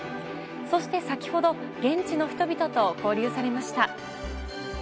そして先ほど現地の人々と交流されました。